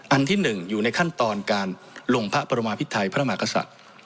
อันที่หนึ่งอยู่ในขั้นตอนการหลงพระพระมรมภิตไทยพระมาขสัตว์